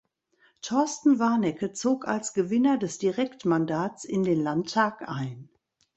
Torsten Warnecke zog als Gewinner des Direktmandats in den Landtag ein.